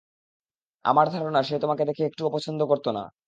আমার ধারণা, সে তোমাকে দেখে একটুও পছন্দ করত না।